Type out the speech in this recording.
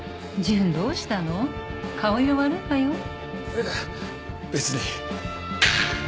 いや別に。